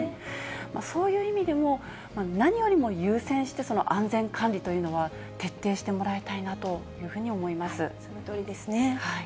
そういう意味でも、何より優先して安全管理というのは、徹底してもらいたいなというそのとおりですね。